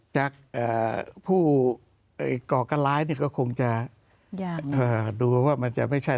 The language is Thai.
จากผู้ก่อการร้ายก็คงจะดูว่ามันจะไม่ใช่